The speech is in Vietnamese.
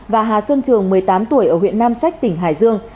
và hà xuân trường một mươi tám tuổi ở huyện nam sách tỉnh hải dương